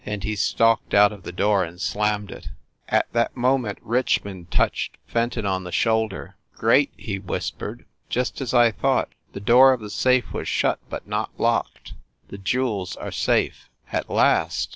And he stalked out of the door and slammed it. THE BREWSTER MANSION 319 At that moment Richmond touched Fenton on the shoulder. "Great!" he whispered. "Just as I thought the door of the safe was shut but not locked. The jewels are safe." "At last!"